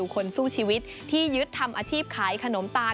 คนสู้ชีวิตที่ยึดทำอาชีพขายขนมตาล